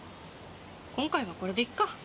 今回はこれでいっか‥